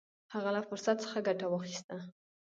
هغه له فرصت څخه ګټه واخیسته.